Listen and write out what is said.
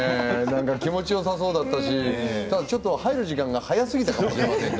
気持ちよさそうだったし入る時間が早すぎたかもしれませんね。